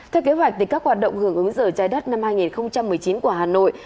theo kế hoạch các hoạt động hưởng ứng giờ trái đất năm hai nghìn một mươi chín của hà nội